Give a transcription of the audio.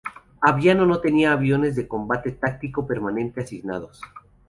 Aviano no tenía aviones de combate táctico permanente asignados.